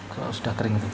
kalau sudah kering itu